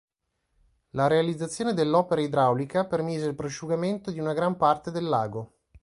La realizzazione dell'opera idraulica permise il prosciugamento di una gran parte del lago.